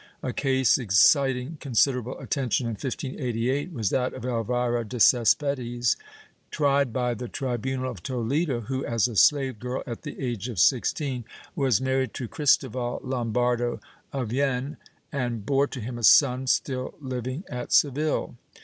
A case exciting considerable attention in 1588 was that of Elvira de Cespedes, tried by the tri bunal of Toledo, who, as a slave girl at the age of 16, was married to Cristoval Lombardo of Jaen and bore to him a son, still living at Seville.